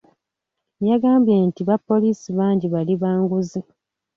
Yagambye nti bapoliisi bangi bali ba nguzi .